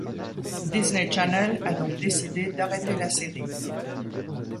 Disney channel a donc décidé d'arrêter la série.